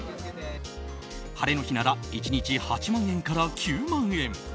晴れの日なら１日８万円から９万円。